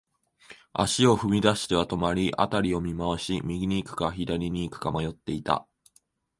足を踏み出しては止まり、辺りを見回し、右に行くか、左に行くか迷っていた。